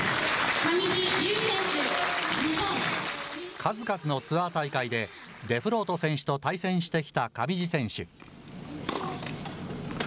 数々のツアー大会で、デフロート選手と対戦してきた上地選手。